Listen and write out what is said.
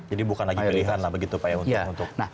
jadi bukan lagi pilihan pak untuk melakukan